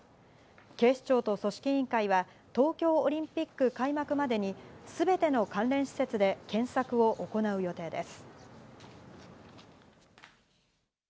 警視庁と組織委員会は、東京オリンピック開幕までに、すべての関連施設で検索を行う予定です。